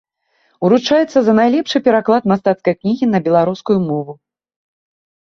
Уручаецца за найлепшы пераклад мастацкай кнігі на беларускую мову.